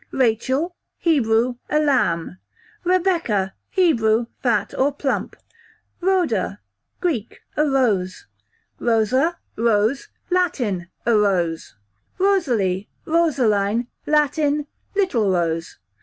Rachel, Hebrew, a lamb. Rebecca, Hebrew, fat or plump. Rhoda, Greek, a rose. Rosa / Rose, Latin, a rose. Rosalie / Rosaline, Latin, little rose.